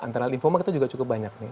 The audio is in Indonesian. antara lymphoma kita juga cukup banyak nih